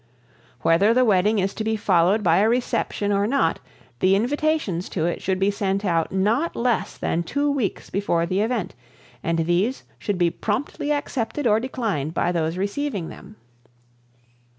Whether the wedding is to be followed by a reception or not, the invitations to it should be sent out not less than two weeks before the event, and these should be promptly accepted or declined by those receiving them.